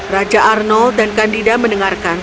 raja arnold dan kandida mendengarkan